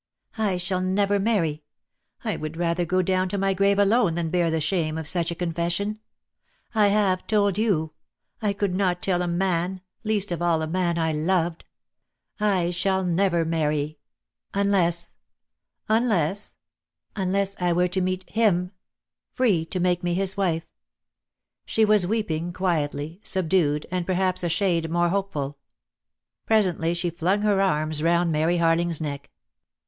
"I shall never marry. I would rather go down to my grave alone than bear the shame of such a confession. I have told you. I could not tell a man : least of all a man I loved. I shall never marry — unless " "Unless " "Unless I were to meet him — free to make me his wife." :.'.■:> She was weeping quietly, subdued, and perhaps a shade more hopeful. Presently she flung her arms round Mary Harling's neck.